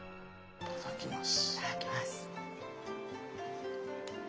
いただきます。